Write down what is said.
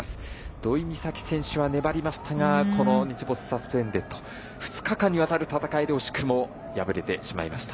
土居美咲選手は粘りましたが日没サスペンデッド２日間にわたる戦いで惜しくも敗れてしまいました。